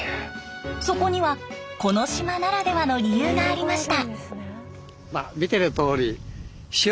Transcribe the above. そこにはこの島ならではの理由がありました。